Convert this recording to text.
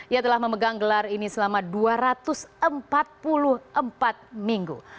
ia telah memegang gelar ini selama dua ratus empat puluh empat minggu